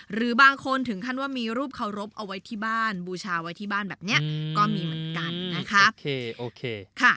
หรือบางคนถึงขั้นว่ามีรูปเคารพเอาไว้ที่บ้านบูชาไว้ที่บ้านแบบนี้ก็มีเหมือนกันนะคะ